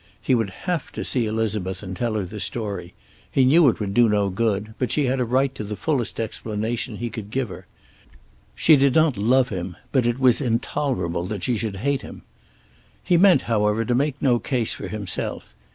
He would have to see Elizabeth and tell her the story. He knew it would do no good, but she had a right to the fullest explanation he could give her. She did not love him, but it was intolerable that she should hate him. He meant, however, to make no case for himself.